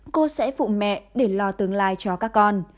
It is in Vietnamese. cô sẽ phụ mẹ để lo tương lai cho các con